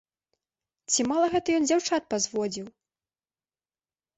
Ці мала гэта ён дзяўчат пазводзіў?!